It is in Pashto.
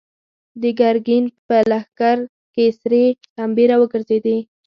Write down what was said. د ګرګين په لښکر کې سرې لمبې را وګرځېدې.